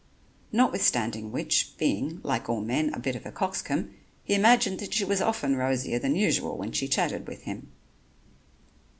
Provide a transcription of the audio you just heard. Notwithstanding which, being, like all men, a bit of a coxcomb, he imagined that she was often rosier than usual when she chatted with him.